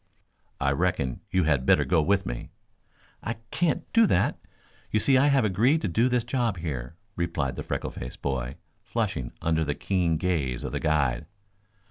"I reckon you had better go with me." "I can't do that. You see I have agreed to do this job here," replied the freckle faced boy, flushing under the keen gaze of the guide.